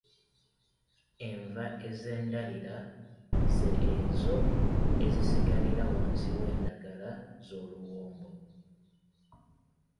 Enva ez'endalira ze ezo ezisigalira wansi w'endagala z'oluwombo.